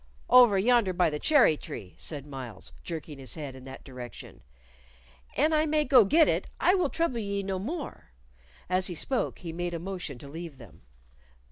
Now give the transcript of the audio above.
"Over yonder by the cherry tree," said Myles, jerking his head in that direction. "An I may go get it, I will trouble ye no more." As he spoke he made a motion to leave them.